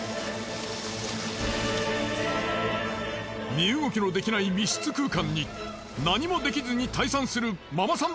身動きのできない密室空間に何もできずに退散するママさん